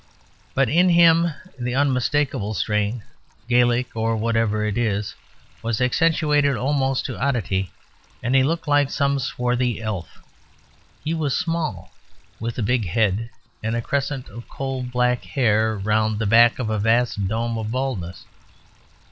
But in him the unmistakable strain, Gaelic or whatever it is, was accentuated almost to oddity; and he looked like some swarthy elf. He was small, with a big head and a crescent of coal black hair round the back of a vast dome of baldness.